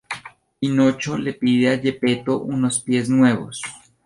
Pinocho le pide a Geppetto unos pies nuevos.